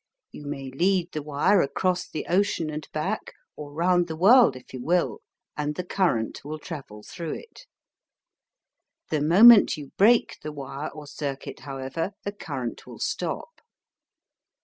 You may lead the wire across the ocean and back, or round the world if you will, and the current will travel through it. The moment you break the wire or circuit, however, the current will stop.